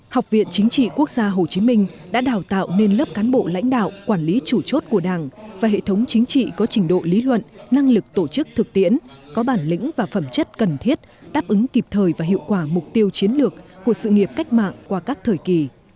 học viện chính trị quốc gia hồ chí minh đã đào tạo nên lớp cán bộ lãnh đạo quản lý chủ chốt của đảng và hệ thống chính trị có trình độ lý luận năng lực tổ chức thực tiễn có bản lĩnh và phẩm chất cần thiết đáp ứng kịp thời và hiệu quả mục tiêu chiến lược của sự nghiệp cách mạng qua các thời kỳ